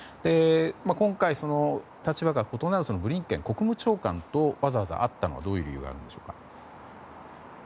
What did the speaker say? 今回、立場が異なるブリンケン国務長官とわざわざ会ったのはどういう理由があるんでしょうか？